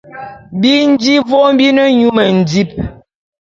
Bi nji vôm bi ne nyu mendim.